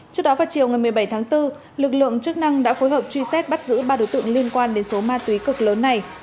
trước đó vào chiều ngày một mươi bảy tháng bốn lực lượng chức năng đã phối hợp truy xét bắt giữ ba đối tượng liên quan đến số ma túy cực lớn này